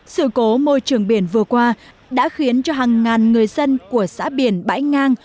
sự cố môi trường biển vừa qua đã khiến cho hàng ngàn người dân của xã biển bãi ngang